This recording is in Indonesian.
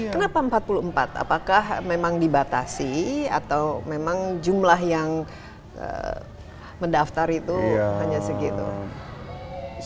kenapa empat puluh empat apakah memang dibatasi atau memang jumlah yang mendaftar itu hanya segitu